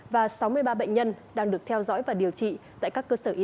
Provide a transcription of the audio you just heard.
và sáu mươi ba bệnh nhân đang được theo dõi và điều trị